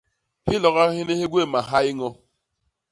Hiloga hini hi gwéé mahay i ño.